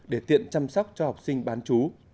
để tiện chăm sóc cho học sinh bán chú